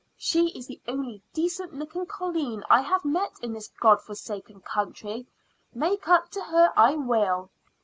She is the only decent looking colleen I have met in this God forsaken country. Make up to her I will."